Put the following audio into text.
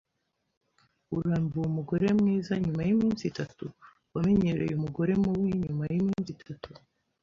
Urambiwe umugore mwiza nyuma yiminsi itatu. Wamenyereye umugore mubi nyuma yiminsi itatu